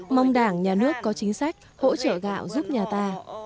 mong đảng nhà nước có chính sách hỗ trợ gạo giúp nhà ta